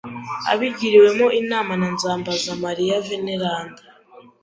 ’ abigiriwemo inama na Nzambazamariya Veneranda